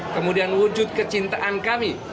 kemudian wujud kecintaan kami